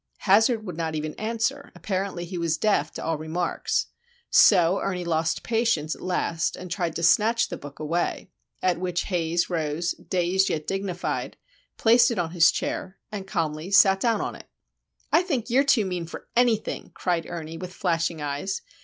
Hazard would not even answer,—apparently he was deaf to all remarks. So Ernie lost patience, at last, and tried to snatch the book away; at which Haze rose, dazed yet dignified, placed it on his chair, and calmly sat down on it. "I think you're too mean for anything," cried Ernie, with flashing eyes.